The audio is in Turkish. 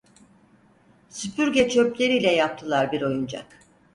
Süpürge çöpleriyle yaptılar bir oyuncak.